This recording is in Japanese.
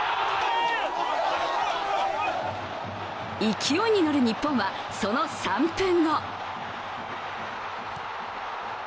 勢いに乗る日本はその３分後。